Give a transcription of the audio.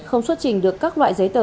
không xuất trình được các loại giấy tờ